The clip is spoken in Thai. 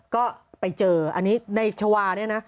ก็ไปเจออันนี้ในชาวาเนี่ยนะ